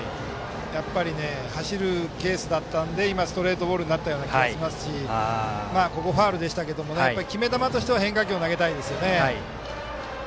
やっぱり走るケースだったので今、ストレートボールになったような気がしますしファウルでしたけど決め球としては変化球を投げたいですね。